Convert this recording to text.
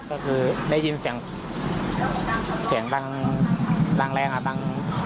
เอาลองได้ยินเสียงเสียงดังแรงแต่มันอะไรมันกระทบเล็กครับ